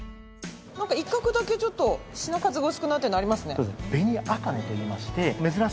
なんか一角だけちょっと品数が薄くなってるのありますね。